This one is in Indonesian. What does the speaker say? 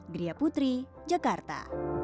gria putri jakarta